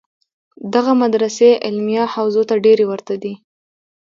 دغه مدرسې علمیه حوزو ته ډېرې ورته دي.